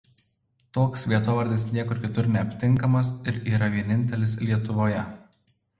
Toks vietovardis niekur kitur neaptinkamas ir yra vienintelis Lietuvoje.